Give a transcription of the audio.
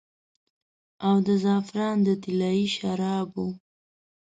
او د زعفران د طلايي شرابو